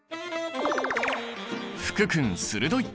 福君鋭い！